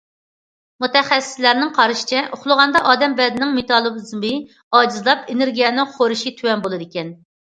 مۇتەخەسسىسلەرنىڭ قارىشىچە، ئۇخلىغاندا ئادەم بەدىنىنىڭ مېتابولىزمى ئاجىزلاپ، ئېنېرگىيەنىڭ خورىشى تۆۋەن بولىدىكەن.